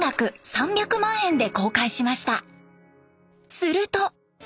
すると。